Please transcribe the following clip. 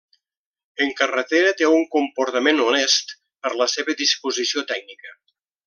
En carretera té un comportament honest per la seva disposició tècnica.